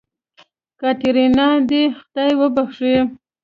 کاتېرينا دې خداى وبښي.